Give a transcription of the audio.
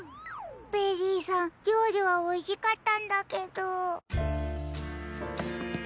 ベリーさんりょうりはおいしかったんだけど。